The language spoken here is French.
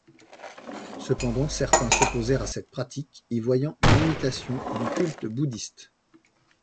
Cependant, certains s'opposèrent à cette pratique, y voyant une imitation du culte bouddhiste.